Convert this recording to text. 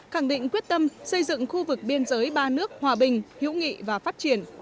khẳng định quyết tâm xây dựng khu vực biên giới ba nước hòa bình hữu nghị và phát triển